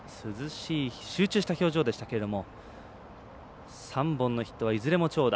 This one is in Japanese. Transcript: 集中した表情でしたけれども３本のヒットはいずれも長打。